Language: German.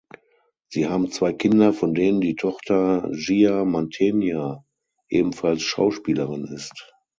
Sie haben zwei Kinder, von denen die Tochter Gia Mantegna ebenfalls Schauspielerin ist.